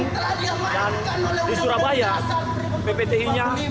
dan di surabaya ppti nya